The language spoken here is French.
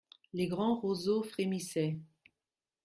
Les grands roseaux frémissaient.